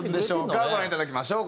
ご覧いただきましょう。